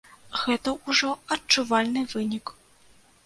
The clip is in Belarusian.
Гэта ўжо адчувальны вынік.